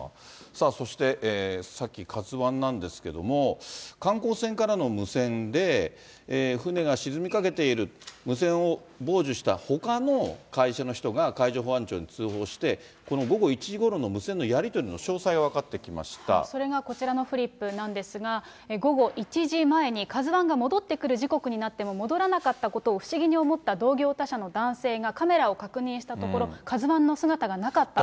さあ、そしてさっきカズワンなんですけれども、観光船からの無線で、船が沈みかけている、無線を傍受したほかの会社の人が、海上保安庁に通報して、この午後１時ごろの無線のやり取りの詳細、それがこちらのフリップなんですが、午後１時前にカズワンが戻ってくる時刻になっても、戻らなかったことを不思議に思った同業他社の男性がカメラを確認したところ、カズワンの姿がなかった。